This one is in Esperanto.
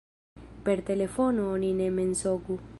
Per telefono oni ne mensogu.